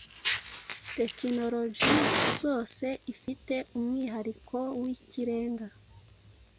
technologie zose ifite umwihariko wikirenga